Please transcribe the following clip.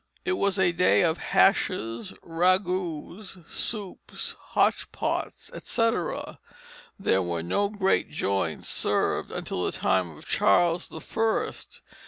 It was a day of hashes, ragouts, soups, hotch pots, etc. There were no great joints served until the time of Charles the First.